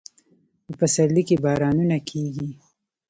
په پسرلي کې بارانونه کیږي